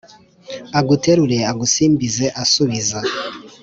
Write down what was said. aguterure agusimbize asubiza